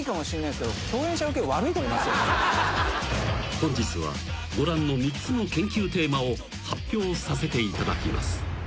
［本日はご覧の３つの研究テーマを発表させていただきます］